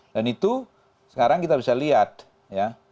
dan itu sekarang kita bisa lihat ya